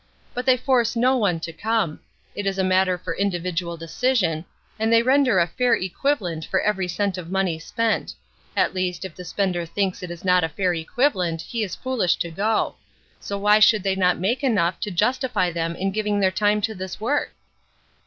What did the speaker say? But they force no one to come; it is a matter for individual decision, and they render a fair equivalent for every cent of money spent; at least, if the spender thinks it is not a fair equivalent he is foolish to go; so why should they not make enough to justify them in giving their time to this work?"